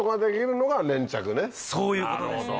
そういうことですね。